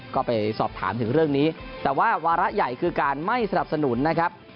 ก็ไปสอบถามถึงเรื่องนี้แต่ว่าวาระใหญ่คือการไม่สนับสนุนนะครับ